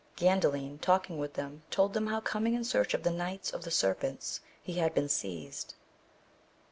Gandalin talking with them told them how coming in search of the Knights of the Ser pents he had been seized.